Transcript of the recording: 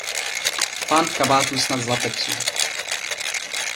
Pán v kabátu snad z latexu.